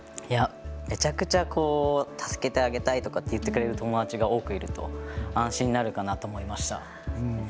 めちゃくちゃ助けてあげたいと言ってくれる友達がいると安心になるかなと思いました。